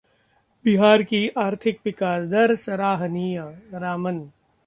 बिहार की आर्थिक विकास दर सराहनीय: रामन